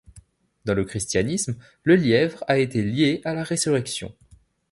Dans le christianisme, le lièvre a été lié à la Résurrection.